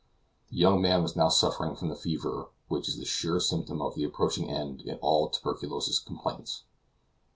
The young man was now suffering from the fever which is the sure symptom of the approaching end in all tuberculous complaints.